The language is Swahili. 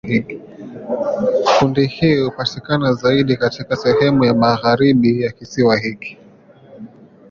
Kundi hili hupatikana zaidi katika sehemu ya magharibi ya kisiwa hiki.